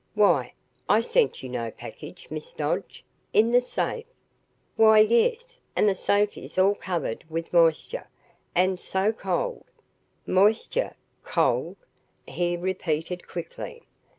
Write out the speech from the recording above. "Why, I sent you no package, Miss Dodge. In the safe?" "Why, yes, and the safe is all covered with moisture and so cold." "Moisture cold?" he repeated quickly.